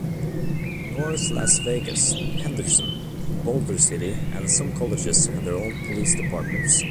North Las Vegas, Henderson, Boulder City and some colleges have their own police departments.